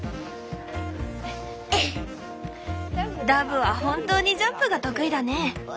ダブは本当にジャンプが得意だね！